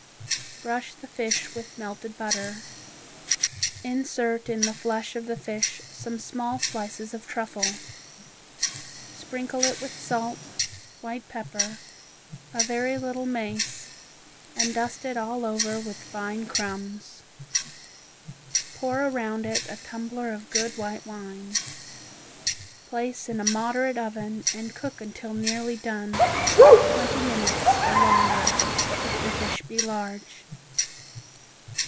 Brush the fish with melted butter. Insert in the flesh of the fish some small slices of truffle. Sprinkle it with salt, white pepper, a very little mace and dust it all over with fine crumbs. Pour around it a tumbler of good white wine. Place in a moderate oven and cook until nearly done, twenty minutes or longer, if the fish be large.